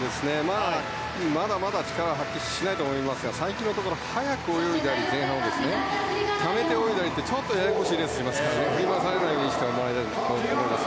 まだまだ力を発揮しないと思いますが最近のところ前半を速く泳いだりためて泳いだりとちょっとややこしいレースをしますから振り回されないようにしてもらいたいと思います。